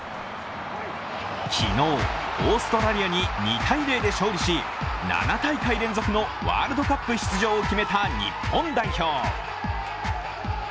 昨日、オーストラリアに２−０で勝利し、７大会連続のワールドカップ出場を決めた日本代表。